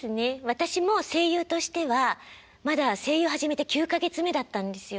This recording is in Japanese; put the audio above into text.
私も声優としてはまだ声優始めて９か月目だったんですよ。